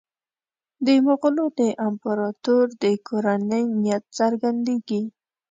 د مغولو د امپراطور د کورنۍ نیت څرګندېږي.